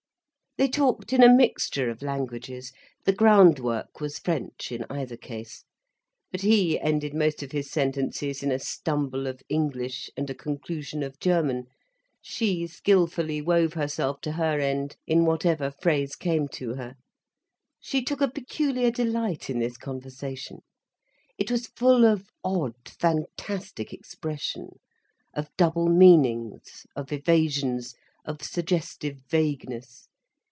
They talked in a mixture of languages. The ground work was French, in either case. But he ended most of his sentences in a stumble of English and a conclusion of German, she skilfully wove herself to her end in whatever phrase came to her. She took a peculiar delight in this conversation. It was full of odd, fantastic expression, of double meanings, of evasions, of suggestive vagueness.